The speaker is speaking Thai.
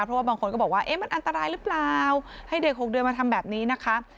เพราะว่าบางคนก็บอกว่ามันอันตรายหรือเปล่าให้เด็ก๖เดือนมาทำแบบนี้นะคะ